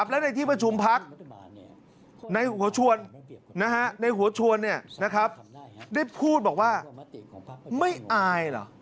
และในที่ประชุมพักษ์ในหัวชวนได้พูดบอกว่า